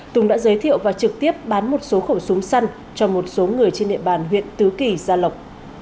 tùng đã giới thiệu và trực tiếp bán một số khẩu súng săn cho một số người trên địa bàn huyện tứ kỳ gia lộc